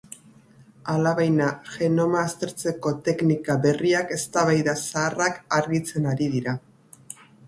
Alabaina, genoma aztertzeko teknika berriak eztabaida zaharrak argitzen ari dira.